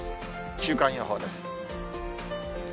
週間予報です。